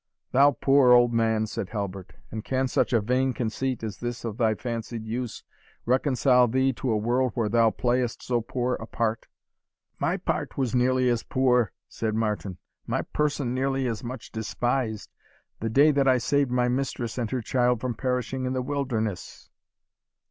"Thou poor old man," said Halbert, "and can such a vain conceit as this of thy fancied use, reconcile thee to a world where thou playest so poor a part?" "My part was nearly as poor," said Martin, "my person nearly as much despised, the day that I saved my mistress and her child from perishing in the wilderness."